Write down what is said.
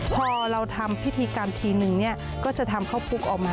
พอเราทำพิธีกรรมทีนึงเนี่ยก็จะทำข้าวปุ๊กออกมา